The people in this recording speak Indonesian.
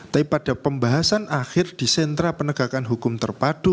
tapi pada pembahasan akhir di sentra penegakan hukum terpadu